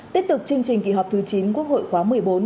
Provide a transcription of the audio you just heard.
tiếp tục chương trình kỳ họp thứ chín quốc hội khóa một mươi bốn